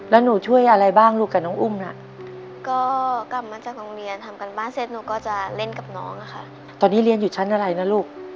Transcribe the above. ตอนนี้เรียนอยู่ชั้นอะไรนะลูก